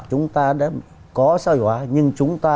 chúng ta đã có sợi hóa nhưng chúng ta